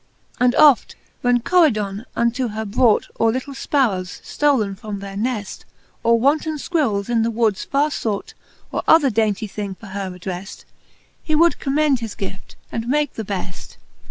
And oft, when Coridon unto her brought Or litle fparrowes, ftolen from their nefl, Or wanton fquirrels, in the woods farre fought, Or other daintie thing for her addreft. He would commend his guift, and make the beft.